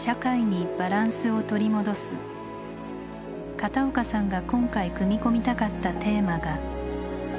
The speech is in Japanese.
片岡さんが今回組み込みたかったテーマが。